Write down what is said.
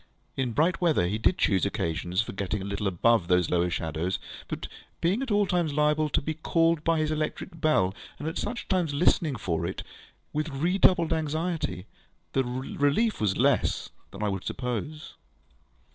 In bright weather, he did choose occasions for getting a little above these lower shadows; but, being at all times liable to be called by his electric bell, and at such times listening for it with redoubled anxiety, the relief was less than I would suppose.